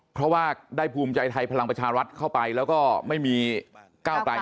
เพราะว่าได้ภูมิใจไทยพลังประชารัฐเข้าไปแล้วก็ไม่มีก้าวไกล